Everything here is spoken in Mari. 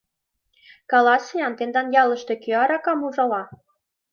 Каласе-ян: тендан ялыште кӧ аракам ужала?